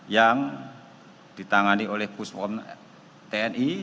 yang ditangani oleh puswon tni